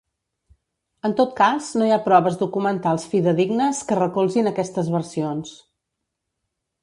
En tot cas, no hi ha proves documentals fidedignes que recolzin aquestes versions.